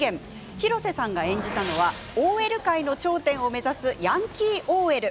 広瀬さんが演じたのはＯＬ界の頂点を目指すヤンキーＯＬ。